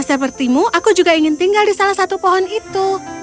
sepertimu aku juga ingin tinggal di salah satu pohon itu